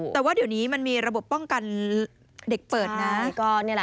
แต่ว่าเดี๋ยวนี้มันมีระบบป้องกันเด็กเปิดนะ